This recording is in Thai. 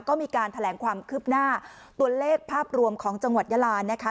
ก็มีการแถลงความคืบหน้าตัวเลขภาพรวมของจังหวัดยาลานะคะ